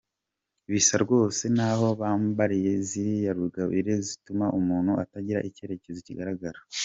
Bisa rwose n’aho bambaye ziriya rugabire zituma umuntu atagira icyerekezo kigaragara.